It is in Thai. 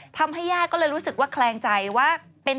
ทำให้ญาติก็เลยรู้สึกคลี่งใจว่า